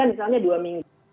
misalnya dua minggu